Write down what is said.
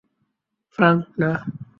Frank, না!